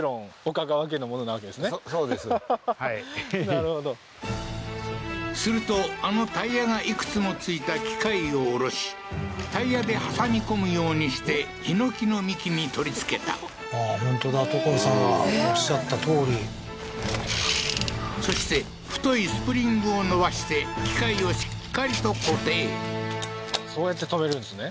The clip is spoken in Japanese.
なるほどするとあのタイヤがいくつも付いた機械を下ろしタイヤで挟み込むようにしてヒノキの幹に取り付けたああー本当だ所さんがおっしゃったとおりそして太いスプリングを伸ばして機械をしっかりと固定そうやって留めるんですね